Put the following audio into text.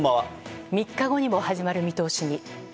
３日後にも始まる見通しに。